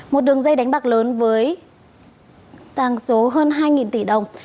một đường dây đánh bạc lớn với tàng số hơn hai tỷ đồng